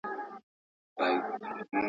د همکارانو نظرونه واورئ.